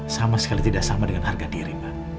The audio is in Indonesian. sama sekali tidak sama dengan harga diri mbak